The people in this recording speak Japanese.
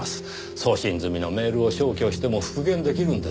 送信済みのメールを消去しても復元出来るんですよ。